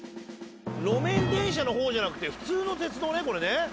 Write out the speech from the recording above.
路面電車じゃなくて普通の鉄道ねこれ。